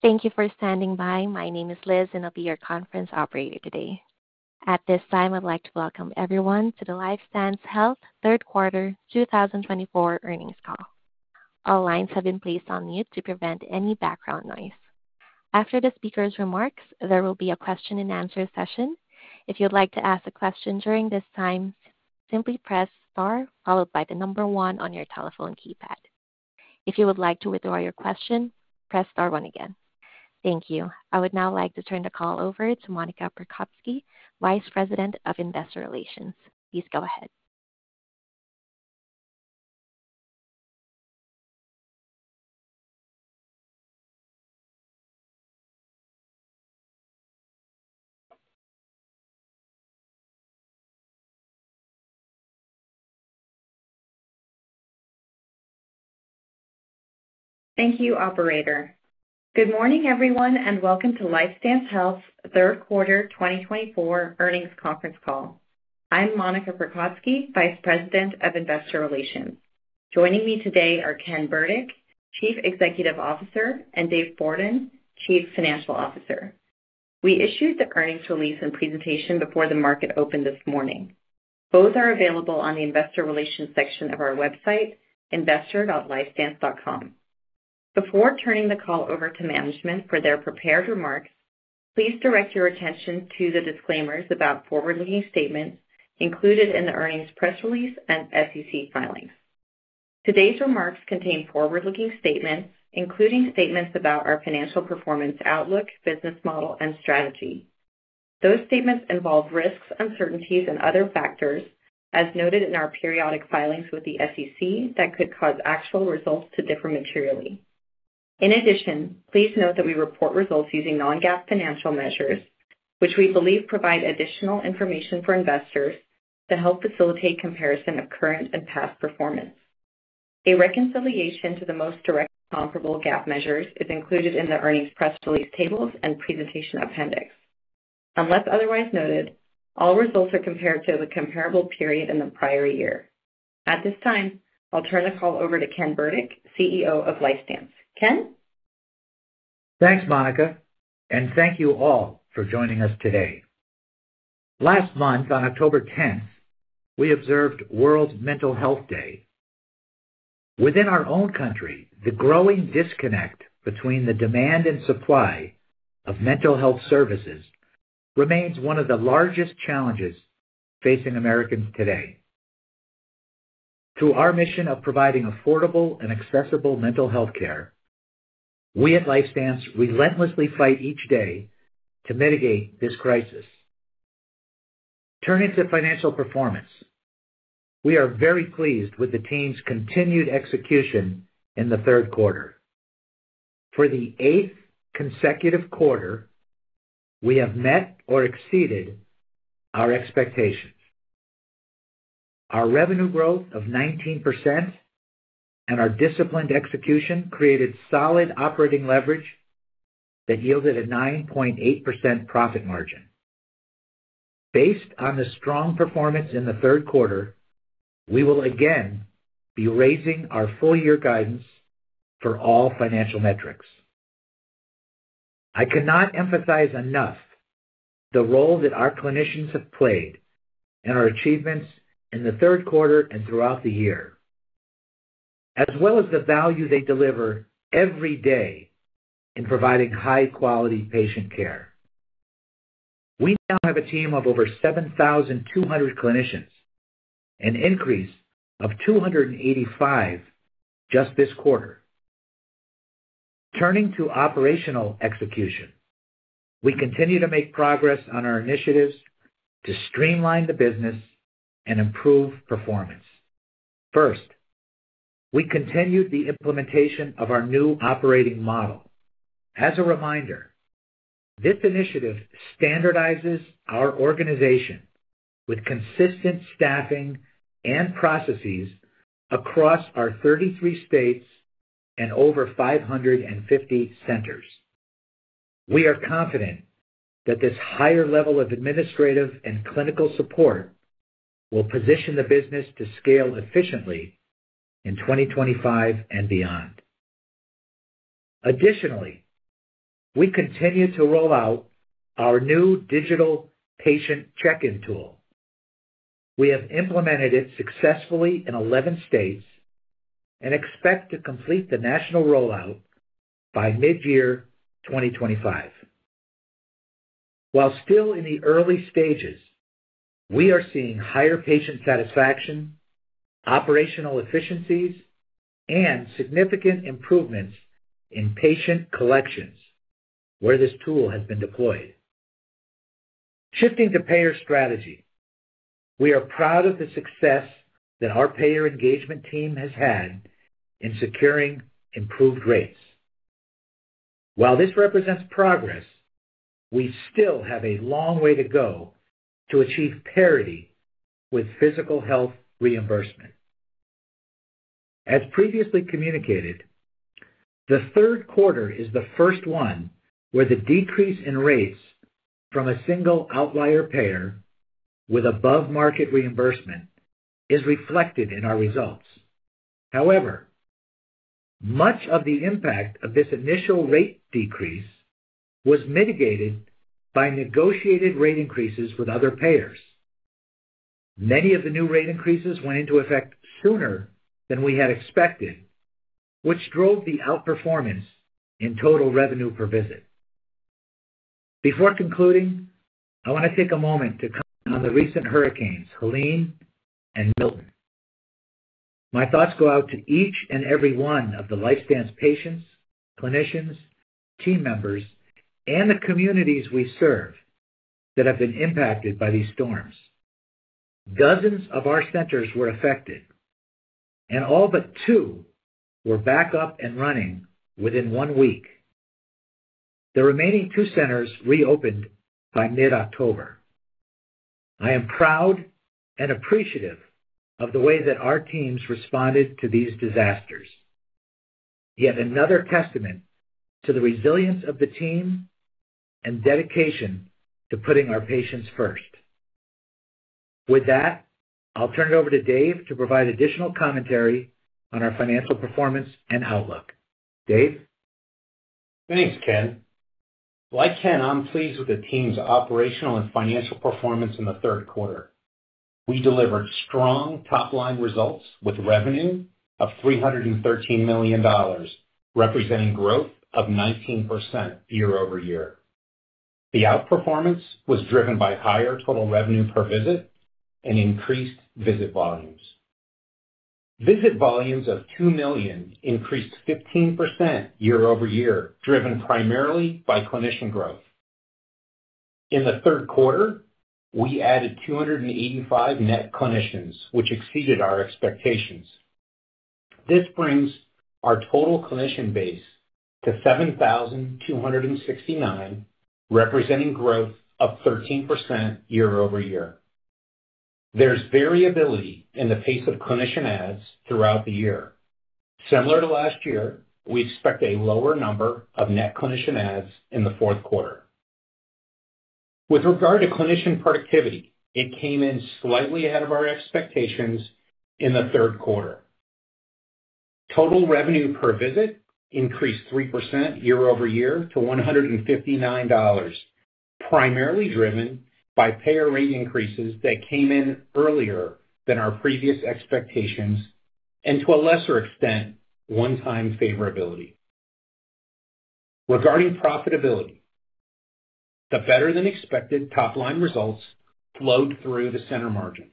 Thank you for standing by. My name is Liz, and I'll be your conference operator today. At this time, I'd like to welcome everyone to the LifeStance Health Third Quarter 2024 Earnings Call. All lines have been placed on mute to prevent any background noise. After the speaker's remarks, there will be a question-and-answer session. If you'd like to ask a question during this time, simply press star followed by the number one on your telephone keypad. If you would like to withdraw your question, press star one again. Thank you. I would now like to turn the call over to Monica Prokocki, Vice President of Investor Relations. Please go ahead. Thank you, operator. Good morning, everyone, and welcome to LifeStance Health Third Quarter 2024 Earnings Conference Call. I'm Monica Prokocki, Vice President of Investor Relations. Joining me today are Ken Burdick, Chief Executive Officer, and Dave Bourdon, Chief Financial Officer. We issued the earnings release and presentation before the market opened this morning. Both are available on the Investor Relations section of our website, investor.lifestance.com. Before turning the call over to management for their prepared remarks, please direct your attention to the disclaimers about forward-looking statements included in the earnings press release and SEC filings. Today's remarks contain forward-looking statements, including statements about our financial performance outlook, business model, and strategy. Those statements involve risks, uncertainties, and other factors, as noted in our periodic filings with the SEC, that could cause actual results to differ materially. In addition, please note that we report results using non-GAAP financial measures, which we believe provide additional information for investors to help facilitate comparison of current and past performance. A reconciliation to the most direct comparable GAAP measures is included in the earnings press release tables and presentation appendix. Unless otherwise noted, all results are compared to a comparable period in the prior year. At this time, I'll turn the call over to Ken Burdick, CEO of LifeStance. Ken? Thanks, Monica, and thank you all for joining us today. Last month, on October 10th, we observed World Mental Health Day. Within our own country, the growing disconnect between the demand and supply of mental health services remains one of the largest challenges facing Americans today. Through our mission of providing affordable and accessible mental health care, we at LifeStance relentlessly fight each day to mitigate this crisis. Turning to financial performance, we are very pleased with the team's continued execution in the third quarter. For the eighth consecutive quarter, we have met or exceeded our expectations. Our revenue growth of 19% and our disciplined execution created solid operating leverage that yielded a 9.8% profit margin. Based on the strong performance in the third quarter, we will again be raising our full-year guidance for all financial metrics. I cannot emphasize enough the role that our clinicians have played in our achievements in the third quarter and throughout the year, as well as the value they deliver every day in providing high-quality patient care. We now have a team of over 7,200 clinicians, an increase of 285 just this quarter. Turning to operational execution, we continue to make progress on our initiatives to streamline the business and improve performance. First, we continued the implementation of our new operating model. As a reminder, this initiative standardizes our organization with consistent staffing and processes across our 33 states and over 550 centers. We are confident that this higher level of administrative and clinical support will position the business to scale efficiently in 2025 and beyond. Additionally, we continue to roll out our new digital patient check-in tool. We have implemented it successfully in 11 states and expect to complete the national rollout by mid-year 2025. While still in the early stages, we are seeing higher patient satisfaction, operational efficiencies, and significant improvements in patient collections where this tool has been deployed. Shifting to payer strategy, we are proud of the success that our payer engagement team has had in securing improved rates. While this represents progress, we still have a long way to go to achieve parity with physical health reimbursement. As previously communicated, the third quarter is the first one where the decrease in rates from a single outlier payer with above-market reimbursement is reflected in our results. However, much of the impact of this initial rate decrease was mitigated by negotiated rate increases with other payers. Many of the new rate increases went into effect sooner than we had expected, which drove the outperformance in total revenue per visit. Before concluding, I want to take a moment to comment on the recent hurricanes, Helene and Milton. My thoughts go out to each and every one of the LifeStance patients, clinicians, team members, and the communities we serve that have been impacted by these storms. Dozens of our centers were affected, and all but two were back up and running within one week. The remaining two centers reopened by mid-October. I am proud and appreciative of the way that our teams responded to these disasters. Yet another testament to the resilience of the team and dedication to putting our patients first. With that, I'll turn it over to Dave to provide additional commentary on our financial performance and outlook. Dave? Thanks, Ken. Like Ken, I'm pleased with the team's operational and financial performance in the third quarter. We delivered strong top-line results with revenue of $313 million, representing growth of 19% year over year. The outperformance was driven by higher total revenue per visit and increased visit volumes. Visit volumes of 2 million increased 15% year over year, driven primarily by clinician growth. In the third quarter, we added 285 net clinicians, which exceeded our expectations. This brings our total clinician base to 7,269, representing growth of 13% year over year. There's variability in the pace of clinician adds throughout the year. Similar to last year, we expect a lower number of net clinician adds in the fourth quarter. With regard to clinician productivity, it came in slightly ahead of our expectations in the third quarter. Total revenue per visit increased 3% year over year to $159, primarily driven by payer rate increases that came in earlier than our previous expectations and, to a lesser extent, one-time favorability. Regarding profitability, the better-than-expected top-line results flowed through the center margin.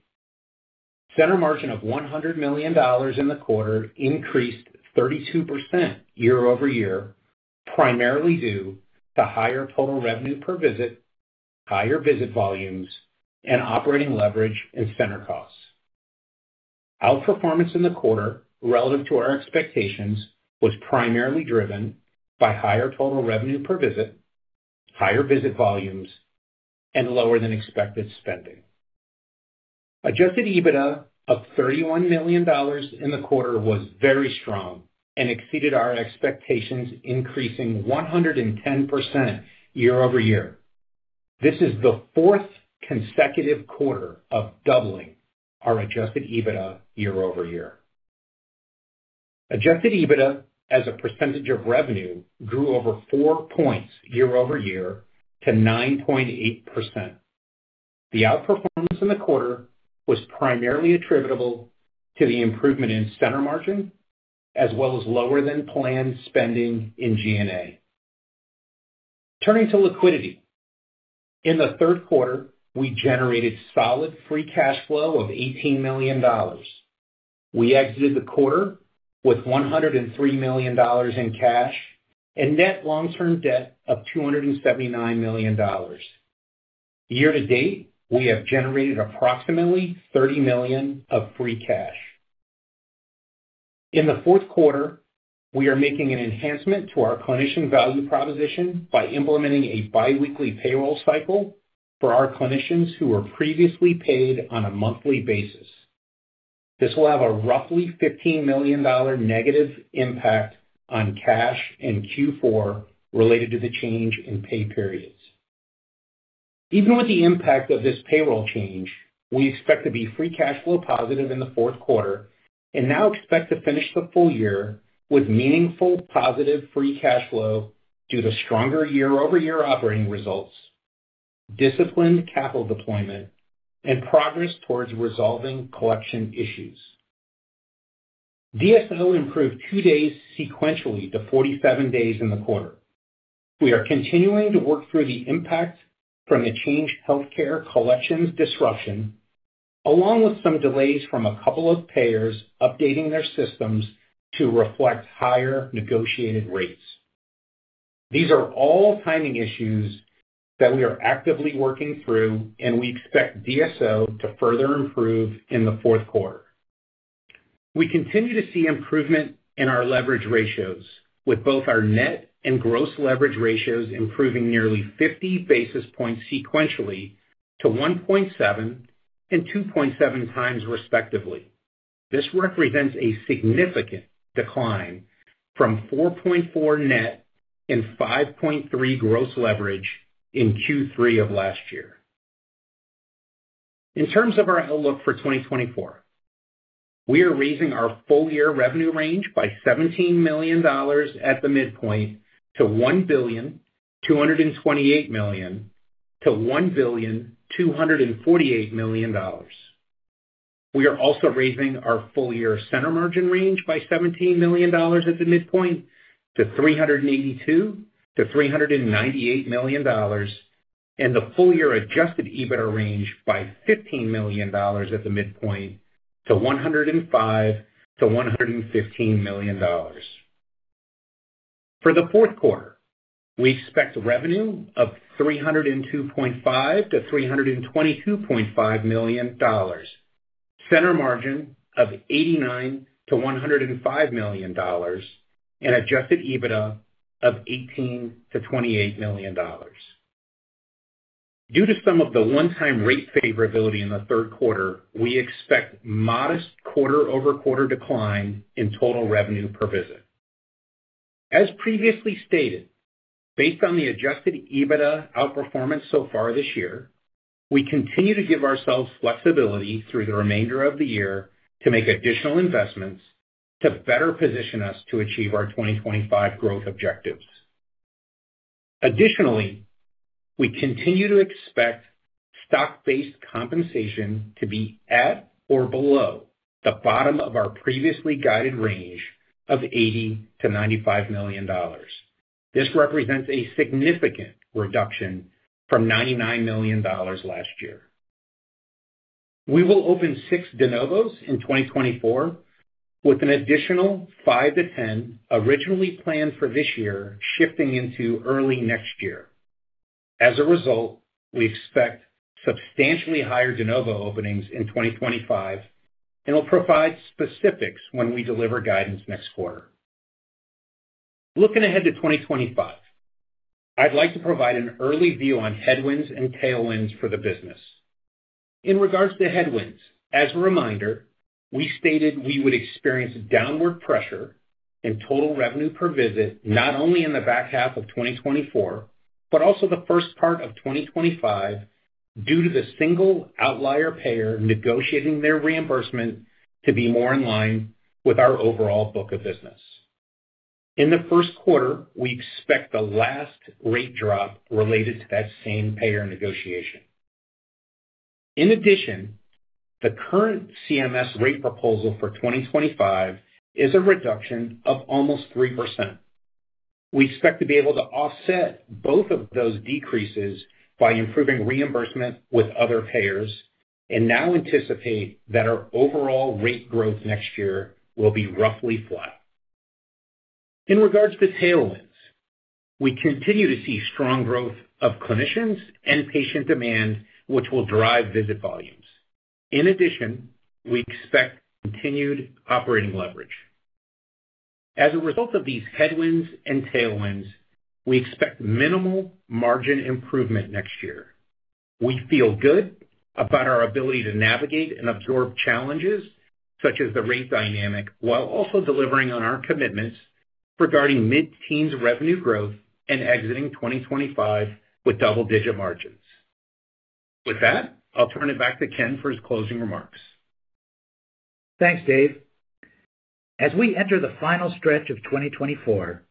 Center margin of $100 million in the quarter increased 32% year over year, primarily due to higher total revenue per visit, higher visit volumes, and operating leverage and center costs. Outperformance in the quarter, relative to our expectations, was primarily driven by higher total revenue per visit, higher visit volumes, and lower-than-expected spending. Adjusted EBITDA of $31 million in the quarter was very strong and exceeded our expectations, increasing 110% year over year. This is the fourth consecutive quarter of doubling our adjusted EBITDA year over year. Adjusted EBITDA, as a percentage of revenue, grew over four points year over year to 9.8%. The outperformance in the quarter was primarily attributable to the improvement in center margin, as well as lower-than-planned spending in G&A. Turning to liquidity, in the third quarter, we generated solid free cash flow of $18 million. We exited the quarter with $103 million in cash and net long-term debt of $279 million. Year to date, we have generated approximately $30 million of free cash. In the fourth quarter, we are making an enhancement to our clinician value proposition by implementing a biweekly payroll cycle for our clinicians who were previously paid on a monthly basis. This will have a roughly $15 million negative impact on cash in Q4 related to the change in pay periods. Even with the impact of this payroll change, we expect to be free cash flow positive in the fourth quarter and now expect to finish the full year with meaningful positive free cash flow due to stronger year-over-year operating results, disciplined capital deployment, and progress towards resolving collection issues. DSO improved two days sequentially to 47 days in the quarter. We are continuing to work through the impact from the Change Healthcare collections disruption, along with some delays from a couple of payers updating their systems to reflect higher negotiated rates. These are all timing issues that we are actively working through, and we expect DSO to further improve in the fourth quarter. We continue to see improvement in our leverage ratios, with both our net and gross leverage ratios improving nearly 50 basis points sequentially to 1.7 and 2.7 times, respectively. This represents a significant decline from 4.4 net and 5.3 gross leverage in Q3 of last year. In terms of our outlook for 2024, we are raising our full-year revenue range by $17 million at the midpoint to $1,228-$1,248 million. We are also raising our full-year center margin range by $17 million at the midpoint to $382-$398 million, and the full-year Adjusted EBITDA range by $15 million at the midpoint to $105-$115 million. For the fourth quarter, we expect revenue of $302.5-$322.5 million, center margin of $89-$105 million, and Adjusted EBITDA of $18-$28 million. Due to some of the one-time rate favorability in the third quarter, we expect modest quarter-over-quarter decline in total revenue per visit. As previously stated, based on the Adjusted EBITDA outperformance so far this year, we continue to give ourselves flexibility through the remainder of the year to make additional investments to better position us to achieve our 2025 growth objectives. Additionally, we continue to expect stock-based compensation to be at or below the bottom of our previously guided range of $80-$95 million. This represents a significant reduction from $99 million last year. We will open six De Novos in 2024, with an additional five to 10 originally planned for this year shifting into early next year. As a result, we expect substantially higher De Novos openings in 2025, and we'll provide specifics when we deliver guidance next quarter. Looking ahead to 2025, I'd like to provide an early view on headwinds and tailwinds for the business. In regards to headwinds, as a reminder, we stated we would experience downward pressure in total revenue per visit not only in the back half of 2024, but also the first part of 2025 due to the single outlier payer negotiating their reimbursement to be more in line with our overall book of business. In the first quarter, we expect the last rate drop related to that same payer negotiation. In addition, the current CMS rate proposal for 2025 is a reduction of almost 3%. We expect to be able to offset both of those decreases by improving reimbursement with other payers and now anticipate that our overall rate growth next year will be roughly flat. In regards to tailwinds, we continue to see strong growth of clinicians and patient demand, which will drive visit volumes. In addition, we expect continued operating leverage. As a result of these headwinds and tailwinds, we expect minimal margin improvement next year. We feel good about our ability to navigate and absorb challenges such as the rate dynamic while also delivering on our commitments regarding mid-teens revenue growth and exiting 2025 with double-digit margins. With that, I'll turn it back to Ken for his closing remarks. Thanks, Dave. As we enter the final stretch of 2024,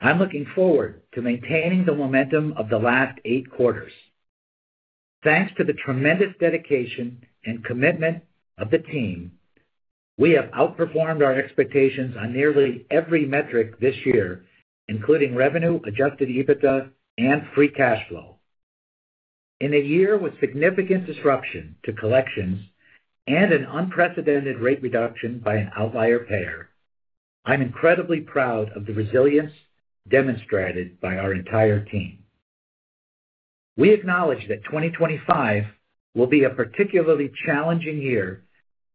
I'm looking forward to maintaining the momentum of the last eight quarters. Thanks to the tremendous dedication and commitment of the team, we have outperformed our expectations on nearly every metric this year, including revenue, Adjusted EBITDA, and free cash flow. In a year with significant disruption to collections and an unprecedented rate reduction by an outlier payer, I'm incredibly proud of the resilience demonstrated by our entire team. We acknowledge that 2025 will be a particularly challenging year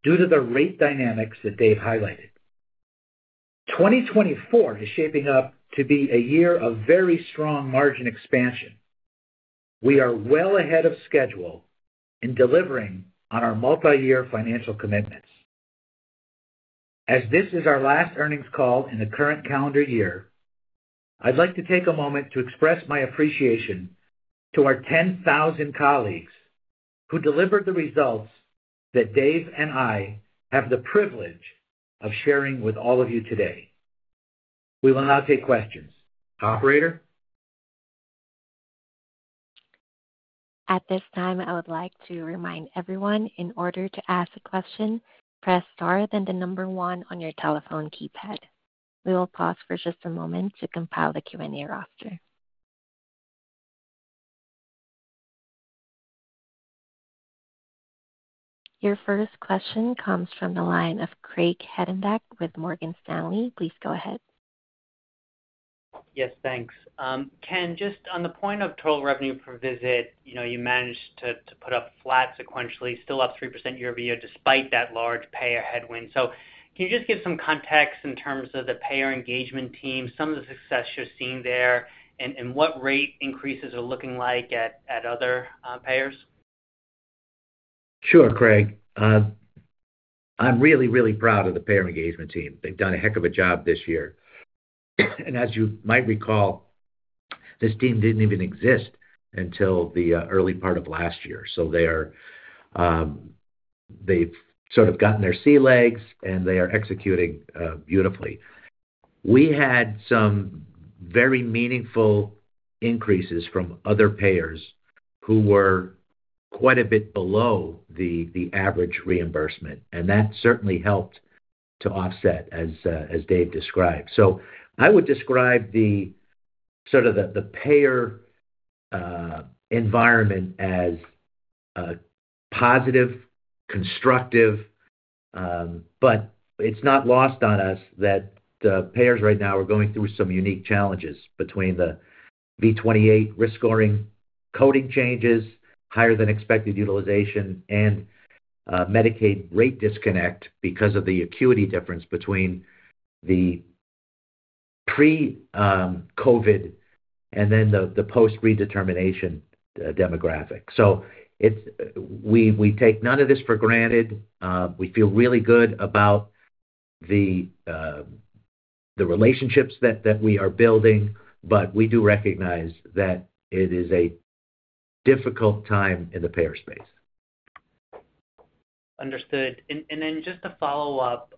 due to the rate dynamics that Dave highlighted. 2024 is shaping up to be a year of very strong margin expansion. We are well ahead of schedule in delivering on our multi-year financial commitments. As this is our last earnings call in the current calendar year, I'd like to take a moment to express my appreciation to our 10,000 colleagues who delivered the results that Dave and I have the privilege of sharing with all of you today. We will now take questions. Operator? At this time, I would like to remind everyone in order to ask a question, press star then the number one on your telephone keypad. We will pause for just a moment to compile the Q&A roster. Your first question comes from the line of Craig Hettenbach with Morgan Stanley. Please go ahead. Yes, thanks. Ken, just on the point of total revenue per visit, you managed to put up flat sequentially, still up 3% year over year despite that large payer headwind. So can you just give some context in terms of the payer engagement team, some of the success you're seeing there, and what rate increases are looking like at other payers? Sure, Craig. I'm really, really proud of the payer engagement team. They've done a heck of a job this year. And as you might recall, this team didn't even exist until the early part of last year. So they've sort of gotten their sea legs, and they are executing beautifully. We had some very meaningful increases from other payers who were quite a bit below the average reimbursement, and that certainly helped to offset, as Dave described. So I would describe sort of the payer environment as positive, constructive, but it's not lost on us that the payers right now are going through some unique challenges between the V28 risk scoring coding changes, higher-than-expected utilization, and Medicaid rate disconnect because of the acuity difference between the pre-COVID and then the post-redetermination demographic. So we take none of this for granted. We feel really good about the relationships that we are building, but we do recognize that it is a difficult time in the payer space. Understood. And then just to follow up,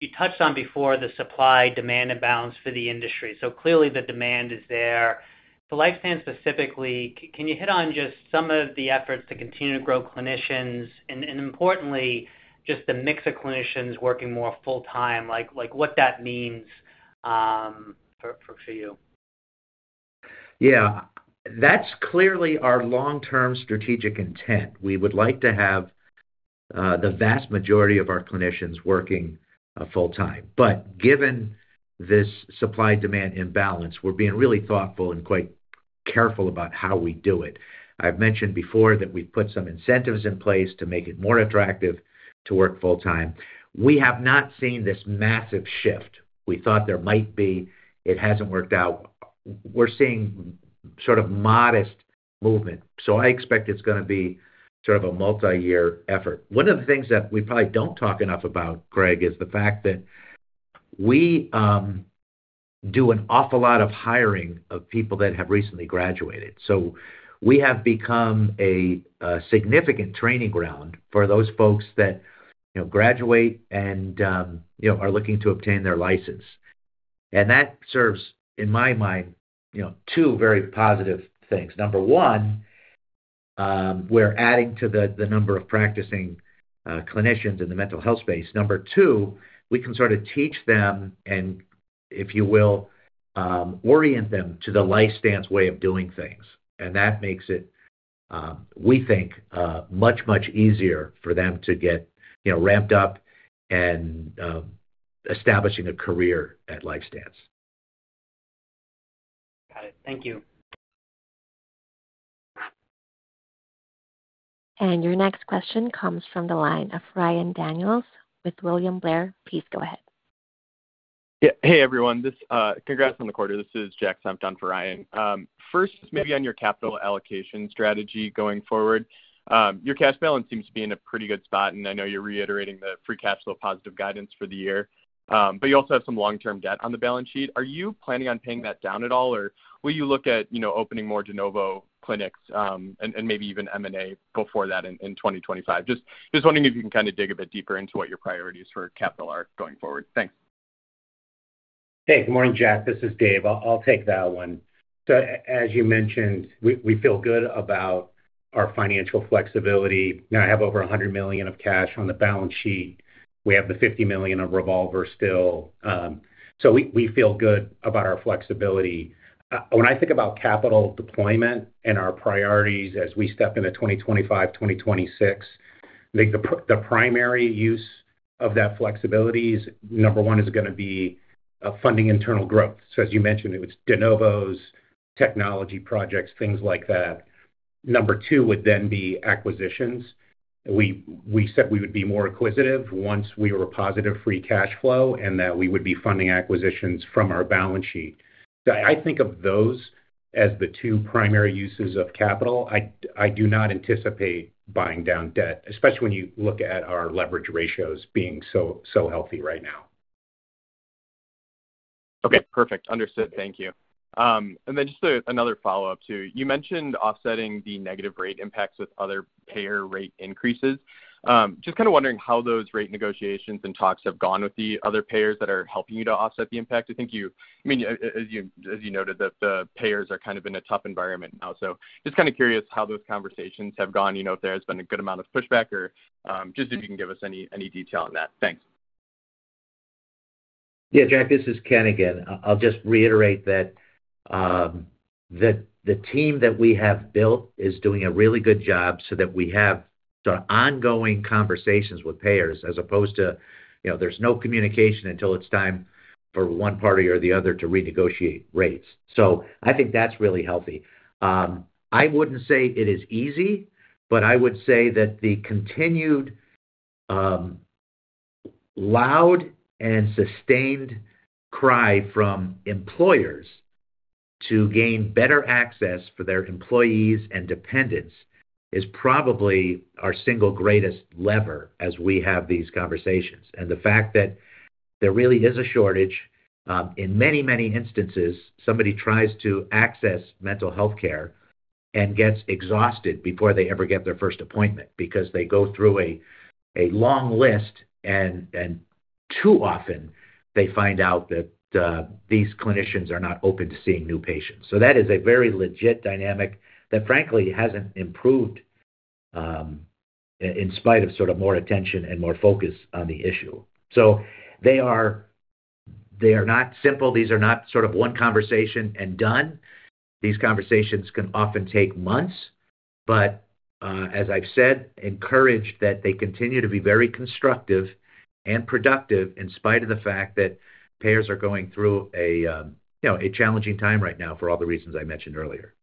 you touched on before the supply-demand imbalance for the industry. So clearly, the demand is there. For LifeStance specifically, can you hit on just some of the efforts to continue to grow clinicians and, importantly, just the mix of clinicians working more full-time? What that means for you? Yeah. That's clearly our long-term strategic intent. We would like to have the vast majority of our clinicians working full-time. But given this supply-demand imbalance, we're being really thoughtful and quite careful about how we do it. I've mentioned before that we've put some incentives in place to make it more attractive to work full-time. We have not seen this massive shift we thought there might be. It hasn't worked out. We're seeing sort of modest movement. So I expect it's going to be sort of a multi-year effort. One of the things that we probably don't talk enough about, Craig, is the fact that we do an awful lot of hiring of people that have recently graduated. So we have become a significant training ground for those folks that graduate and are looking to obtain their license. And that serves, in my mind, two very positive things. Number one, we're adding to the number of practicing clinicians in the mental health space. Number two, we can sort of teach them and, if you will, orient them to the LifeStance's way of doing things. And that makes it, we think, much, much easier for them to get ramped up and establishing a career at LifeStance. Got it. Thank you. Your next question comes from the line of Ryan Daniels with William Blair. Please go ahead. Yeah. Hey, everyone. Congrats on the quarter. This is Jack Senft for Ryan. First, maybe on your capital allocation strategy going forward, your cash balance seems to be in a pretty good spot. And I know you're reiterating the free capital positive guidance for the year, but you also have some long-term debt on the balance sheet. Are you planning on paying that down at all, or will you look at opening more De Novos clinics and maybe even M&A before that in 2025? Just wondering if you can kind of dig a bit deeper into what your priorities for capital are going forward. Thanks. Hey, good morning, Jack. This is Dave. I'll take that one. So as you mentioned, we feel good about our financial flexibility. Now, I have over $100 million of cash on the balance sheet. We have the $50 million of revolver still. So we feel good about our flexibility. When I think about capital deployment and our priorities as we step into 2025, 2026, I think the primary use of that flexibility is, number one, is going to be funding internal growth. So as you mentioned, it was De Novos's technology projects, things like that. Number two would then be acquisitions. We said we would be more acquisitive once we were a positive free cash flow and that we would be funding acquisitions from our balance sheet. So I think of those as the two primary uses of capital. I do not anticipate buying down debt, especially when you look at our leverage ratios being so healthy right now. Okay. Perfect. Understood. Thank you. And then just another follow-up too. You mentioned offsetting the negative rate impacts with other payer rate increases. Just kind of wondering how those rate negotiations and talks have gone with the other payers that are helping you to offset the impact. I mean, as you noted, the payers are kind of in a tough environment now. So just kind of curious how those conversations have gone, if there has been a good amount of pushback, or just if you can give us any detail on that. Thanks. Yeah, Jack, this is Ken again. I'll just reiterate that the team that we have built is doing a really good job so that we have ongoing conversations with payers as opposed to there's no communication until it's time for one party or the other to renegotiate rates. So I think that's really healthy. I wouldn't say it is easy, but I would say that the continued loud and sustained cry from employers to gain better access for their employees and dependents is probably our single greatest lever as we have these conversations. And the fact that there really is a shortage, in many, many instances, somebody tries to access mental healthcare and gets exhausted before they ever get their first appointment because they go through a long list, and too often, they find out that these clinicians are not open to seeing new patients. So that is a very legit dynamic that, frankly, hasn't improved in spite of sort of more attention and more focus on the issue. So they are not simple. These are not sort of one conversation and done. These conversations can often take months. But as I've said, encourage that they continue to be very constructive and productive in spite of the fact that payers are going through a challenging time right now for all the reasons I mentioned earlier.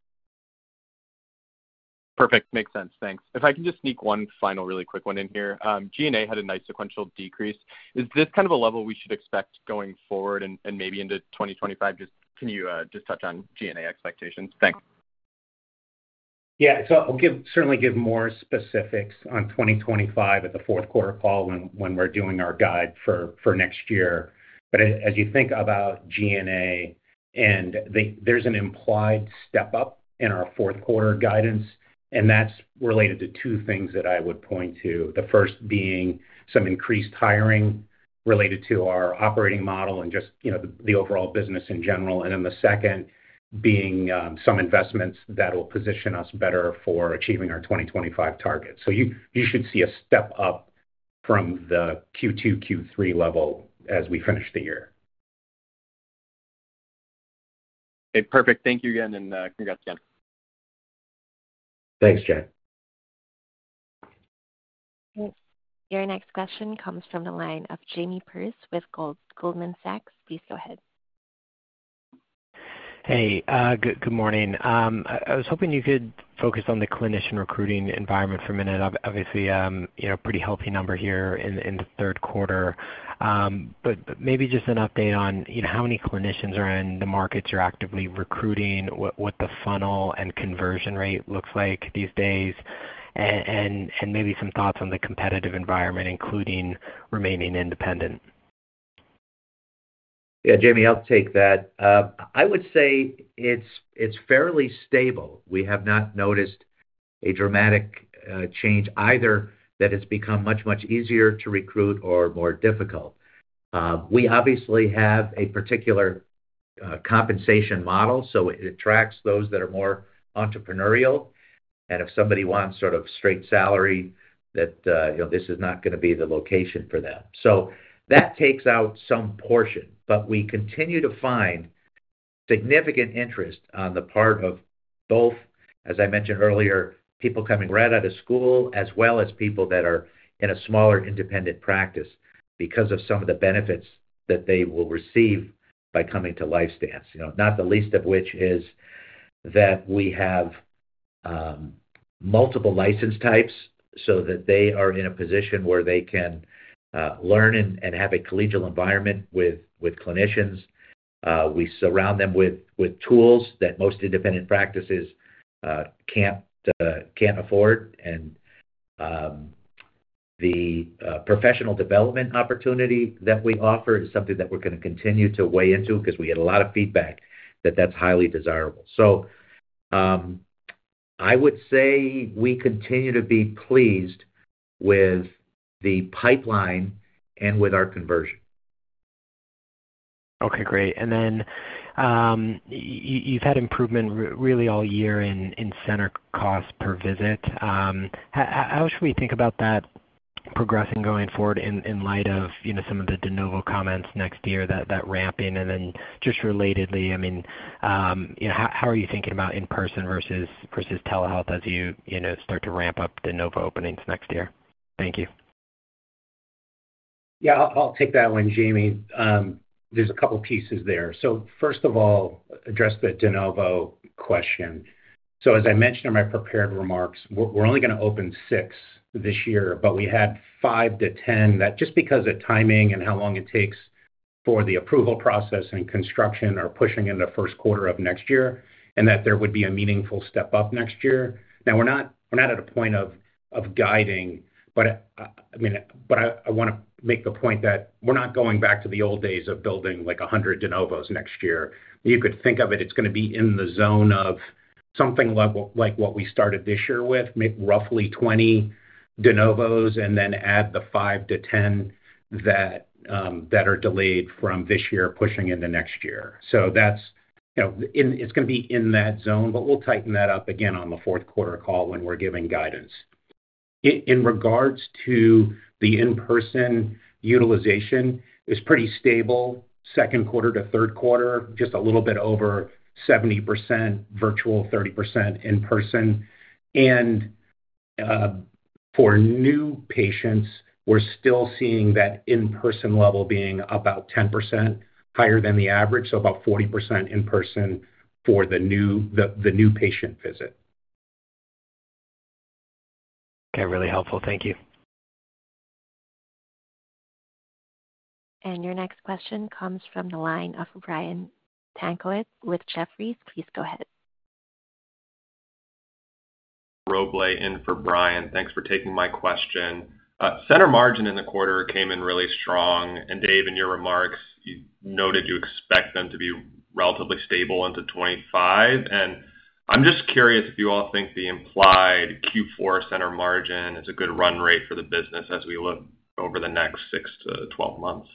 Perfect. Makes sense. Thanks. If I can just sneak one final really quick one in here. G&A had a nice sequential decrease. Is this kind of a level we should expect going forward and maybe into 2025? Just can you just touch on G&A expectations? Thanks. Yeah. So I'll certainly give more specifics on 2025 at the fourth quarter call when we're doing our guide for next year. But as you think about G&A, there's an implied step up in our fourth quarter guidance, and that's related to two things that I would point to. The first being some increased hiring related to our operating model and just the overall business in general, and then the second being some investments that will position us better for achieving our 2025 target. So you should see a step up from the Q2, Q3 level as we finish the year. Okay. Perfect. Thank you again, and congrats again. Thanks, Jack. Your next question comes from the line of Jamie Perse with Goldman Sachs. Please go ahead. Hey. Good morning. I was hoping you could focus on the clinician recruiting environment for a minute. Obviously, pretty healthy number here in the third quarter. But maybe just an update on how many clinicians are in the markets you're actively recruiting, what the funnel and conversion rate looks like these days, and maybe some thoughts on the competitive environment, including remaining independent. Yeah. Jamie, I'll take that. I would say it's fairly stable. We have not noticed a dramatic change either that it's become much, much easier to recruit or more difficult. We obviously have a particular compensation model, so it attracts those that are more entrepreneurial. And if somebody wants sort of straight salary, this is not going to be the location for them. So that takes out some portion, but we continue to find significant interest on the part of both, as I mentioned earlier, people coming right out of school as well as people that are in a smaller independent practice because of some of the benefits that they will receive by coming to LifeStance, not the least of which is that we have multiple license types so that they are in a position where they can learn and have a collegial environment with clinicians. We surround them with tools that most independent practices can't afford. And the professional development opportunity that we offer is something that we're going to continue to weigh into because we get a lot of feedback that that's highly desirable. So I would say we continue to be pleased with the pipeline and with our conversion. Okay. Great. And then you've had improvement really all year in center cost per visit. How should we think about that progressing going forward in light of some of the De Novos comments next year, that ramping? And then just relatedly, I mean, how are you thinking about in-person versus telehealth as you start to ramp up De Novos openings next year? Thank you. Yeah. I'll take that one, Jamie. There's a couple of pieces there. So first of all, address the De Novos question. So as I mentioned in my prepared remarks, we're only going to open six this year, but we had five to 10 that just because of timing and how long it takes for the approval process and construction are pushing into first quarter of next year, and that there would be a meaningful step up next year. Now, we're not at a point of guiding, but I want to make the point that we're not going back to the old days of building 100 De Novos next year. You could think of it, it's going to be in the zone of something like what we started this year with, roughly 20 De Novos, and then add the five to 10 that are delayed from this year pushing into next year. It's going to be in that zone, but we'll tighten that up again on the fourth quarter call when we're giving guidance. In regards to the in-person utilization, it's pretty stable second quarter to third quarter, just a little bit over 70% virtual, 30% in-person. For new patients, we're still seeing that in-person level being about 10% higher than the average, so about 40% in-person for the new patient visit. Okay. Really helpful. Thank you. Your next question comes from the line of Brian Tanquilut with Jefferies. Please go ahead. Lay in for Brian. Thanks for taking my question. Center margin in the quarter came in really strong. And Dave, in your remarks, you noted you expect them to be relatively stable into 2025. And I'm just curious if you all think the implied Q4 center margin is a good run rate for the business as we look over the next six to 12 months.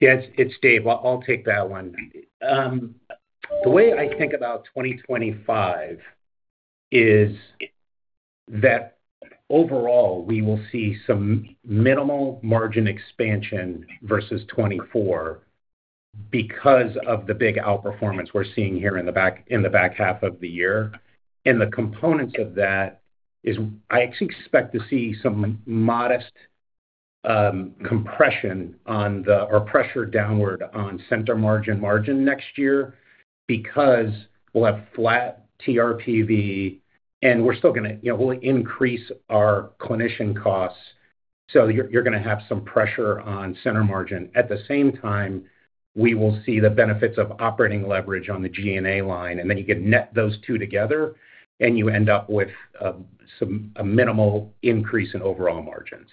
Yes, it's Dave. I'll take that one. The way I think about 2025 is that overall, we will see some minimal margin expansion versus 2024 because of the big outperformance we're seeing here in the back half of the year, and the components of that is I actually expect to see some modest compression or pressure downward on center margin next year because we'll have flat TRPV, and we're still going to increase our clinician costs. So you're going to have some pressure on center margin. At the same time, we will see the benefits of operating leverage on the G&A line, and then you can net those two together, and you end up with a minimal increase in overall margins.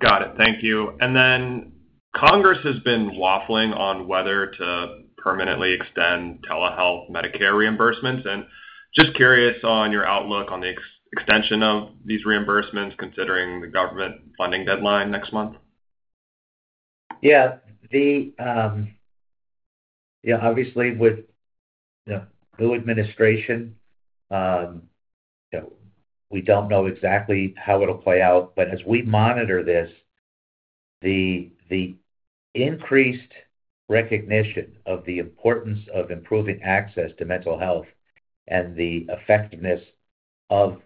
Got it. Thank you. And then Congress has been waffling on whether to permanently extend telehealth Medicare reimbursements. And just curious on your outlook on the extension of these reimbursements considering the government funding deadline next month. Yeah. Yeah. Obviously, with the new administration, we don't know exactly how it'll play out. But as we monitor this, the increased recognition of the importance of improving access to mental health and the effectiveness of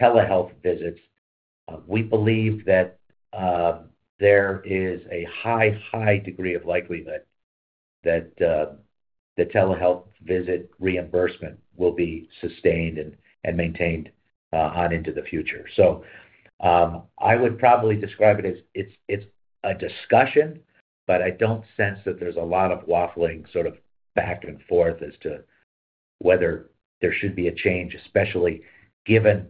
telehealth visits, we believe that there is a high, high degree of likelihood that the telehealth visit reimbursement will be sustained and maintained on into the future. So I would probably describe it as it's a discussion, but I don't sense that there's a lot of waffling sort of back and forth as to whether there should be a change, especially given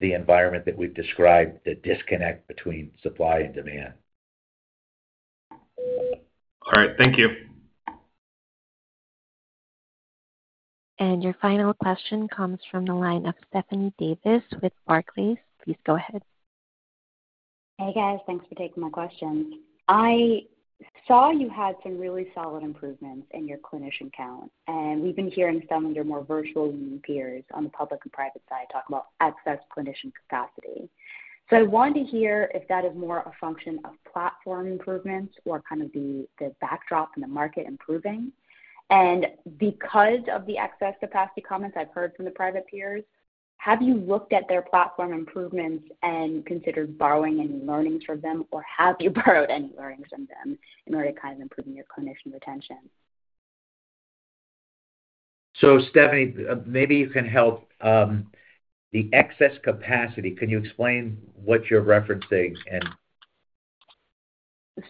the environment that we've described, the disconnect between supply and demand. All right. Thank you. And your final question comes from the line of Stephanie Davis with Barclays. Please go ahead. Hey, guys. Thanks for taking my questions. I saw you had some really solid improvements in your clinician count. And we've been hearing some of your more virtual peers on the public and private side talk about excess clinician capacity. So I wanted to hear if that is more a function of platform improvements or kind of the backdrop in the market improving. And because of the excess capacity comments I've heard from the private peers, have you looked at their platform improvements and considered borrowing any learnings from them, or have you borrowed any learnings from them in order to kind of improve your clinician retention? So Stephanie, maybe you can help. The excess capacity, can you explain what you're referencing and?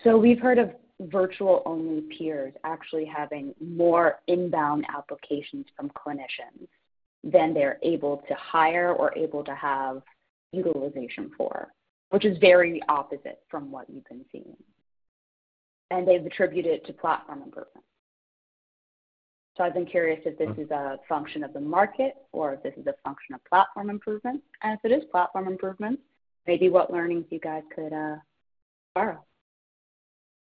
So we've heard of virtual-only peers actually having more inbound applications from clinicians than they're able to hire or able to have utilization for, which is very opposite from what you've been seeing. And they've attributed it to platform improvements. So I've been curious if this is a function of the market or if this is a function of platform improvements? And if it is platform improvements, maybe what learnings you guys could borrow?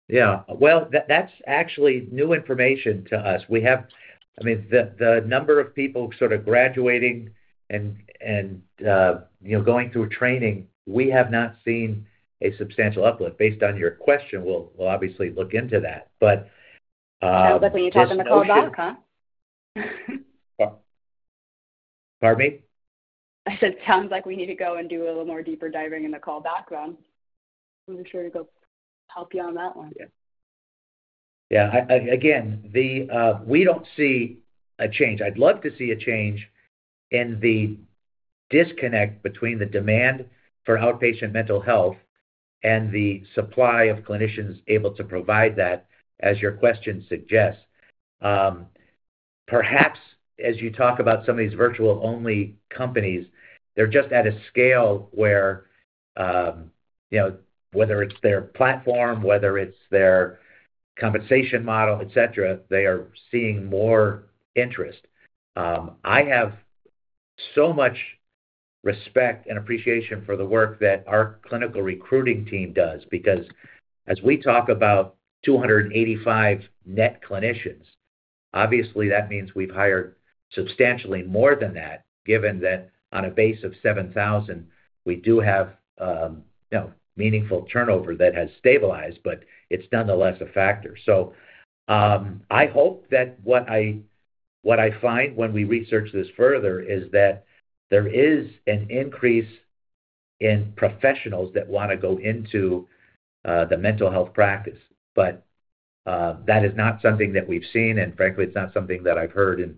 Yeah. Well, that's actually new information to us. I mean, the number of people sort of graduating and going through training, we have not seen a substantial uplift. Based on your question, we'll obviously look into that. But... Sounds like we need to have them call back, huh? Pardon me? I said it sounds like we need to go and do a little more deeper diving in the callback. I'm sure to go help you on that one. Yeah. Again, we don't see a change. I'd love to see a change in the disconnect between the demand for outpatient mental health and the supply of clinicians able to provide that, as your question suggests. Perhaps as you talk about some of these virtual-only companies, they're just at a scale where whether it's their platform, whether it's their compensation model, etc., they are seeing more interest. I have so much respect and appreciation for the work that our clinical recruiting team does because as we talk about 285 net clinicians, obviously, that means we've hired substantially more than that, given that on a base of 7,000, we do have meaningful turnover that has stabilized, but it's nonetheless a factor. So I hope that what I find when we research this further is that there is an increase in professionals that want to go into the mental health practice. But that is not something that we've seen, and frankly, it's not something that I've heard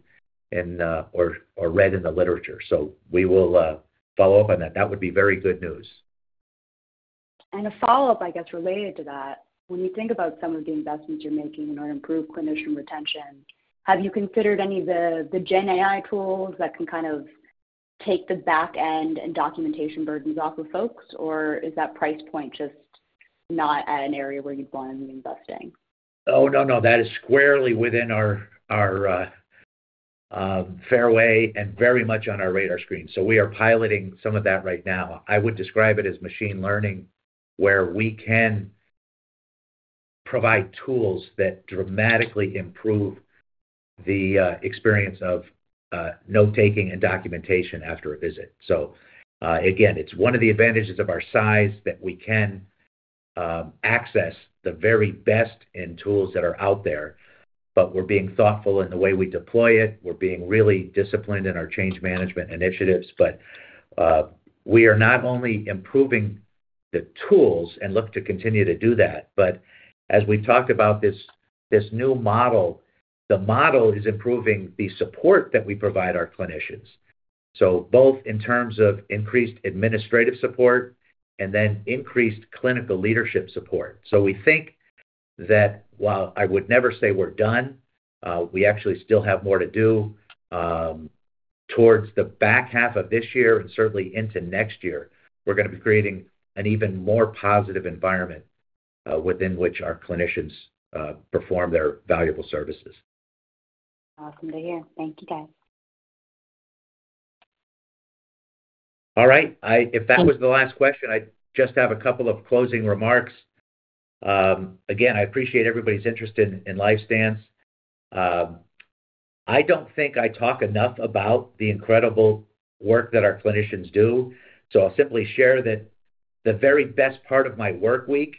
or read in the literature. So we will follow up on that. That would be very good news. A follow-up, I guess, related to that, when you think about some of the investments you're making in order to improve clinician retention, have you considered any of the GenAI tools that can kind of take the backend and documentation burdens off of folks, or is that price point just not an area where you'd want to be investing? Oh, no, no. That is squarely within our fairway and very much on our radar screen. So we are piloting some of that right now. I would describe it as machine learning where we can provide tools that dramatically improve the experience of note-taking and documentation after a visit. So again, it's one of the advantages of our size that we can access the very best in tools that are out there, but we're being thoughtful in the way we deploy it. We're being really disciplined in our change management initiatives. But we are not only improving the tools and look to continue to do that, but as we've talked about this new model, the model is improving the support that we provide our clinicians. So both in terms of increased administrative support and then increased clinical leadership support. So we think that while I would never say we're done, we actually still have more to do towards the back half of this year and certainly into next year, we're going to be creating an even more positive environment within which our clinicians perform their valuable services. Awesome to hear. Thank you, guys. All right. If that was the last question, I just have a couple of closing remarks. Again, I appreciate everybody's interest in LifeStance. I don't think I talk enough about the incredible work that our clinicians do. So I'll simply share that the very best part of my workweek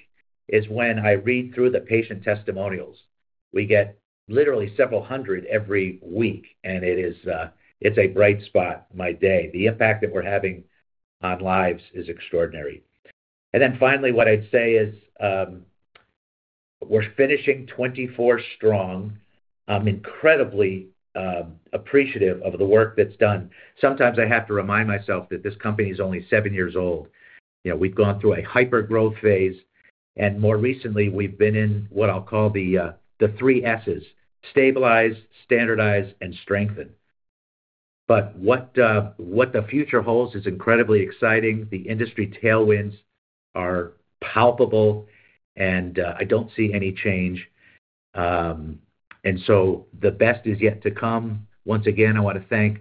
is when I read through the patient testimonials. We get literally several hundred every week, and it's a bright spot in my day. The impact that we're having on lives is extraordinary. Then finally, what I'd say is we're finishing 2024 strong. I'm incredibly appreciative of the work that's done. Sometimes I have to remind myself that this company is only seven years old. We've gone through a hypergrowth phase. More recently, we've been in what I'll call the three Ss: stabilize, standardize, and strengthen. But what the future holds is incredibly exciting. The industry tailwinds are palpable, and I don't see any change, and so the best is yet to come. Once again, I want to thank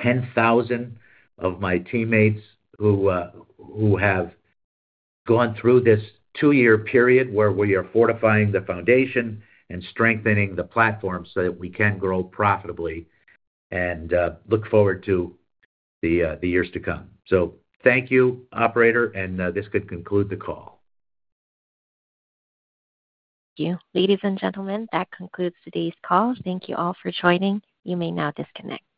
10,000 of my teammates who have gone through this two-year period where we are fortifying the foundation and strengthening the platform so that we can grow profitably and look forward to the years to come, so thank you, operator, and this could conclude the call. Thank you. Ladies and gentlemen, that concludes today's call. Thank you all for joining. You may now disconnect.